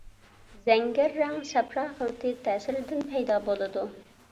زەڭگەر رەڭ سەپرا خىلىتى تەسىرىدىن پەيدا بولىدۇ.